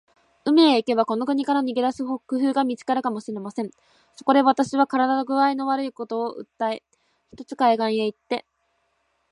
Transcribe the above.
海へ行けば、この国から逃げ出す工夫が見つかるかもしれません。そこで、私は身体工合の悪いことを訴えて、ひとつ海岸へ行って